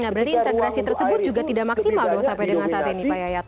nah berarti integrasi tersebut juga tidak maksimal sampai dengan saat ini pak yayat